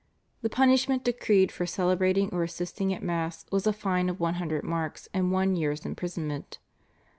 The punishment decreed for celebrating or assisting at Mass was a fine of 100 marks and one year's imprisonment.